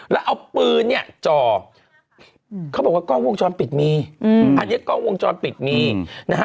แล้วเอาปืนเนี่ยจ่อเขาบอกว่ากล้องวงจรปิดมีอันนี้กล้องวงจรปิดมีนะฮะ